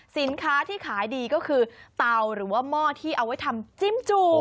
สินค้าที่ขายดีก็คือเตาหรือว่าหม้อที่เอาไว้ทำจิ้มจู่